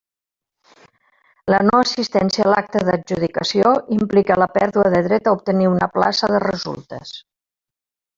La no assistència a l'acte d'adjudicació implica la pèrdua del dret a obtenir una plaça de resultes.